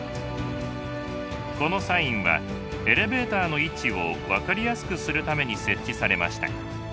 このサインはエレベーターの位置を分かりやすくするために設置されました。